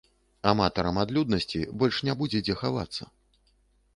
Аматарам адлюднасці больш не будзе дзе хавацца.